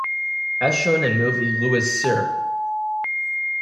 As shown in movie "Louis Cyr"